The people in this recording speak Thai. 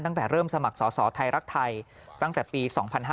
ตั้งแต่เริ่มสมัครสอสอไทยรักไทยตั้งแต่ปี๒๕๕๙